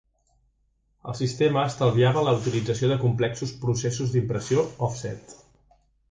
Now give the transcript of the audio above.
El sistema estalviava la utilització de complexos processos d'impressió òfset.